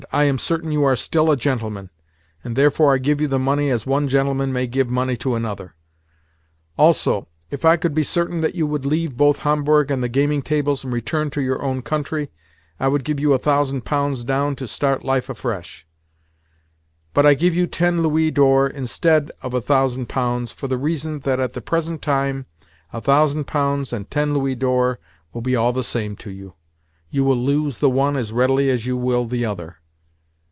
"I am certain you are still a gentleman, and therefore I give you the money as one gentleman may give money to another. Also, if I could be certain that you would leave both Homburg and the gaming tables, and return to your own country, I would give you a thousand pounds down to start life afresh; but, I give you ten louis d'or instead of a thousand pounds for the reason that at the present time a thousand pounds and ten louis d'or will be all the same to you—you will lose the one as readily as you will the other.